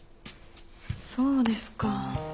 そうですか。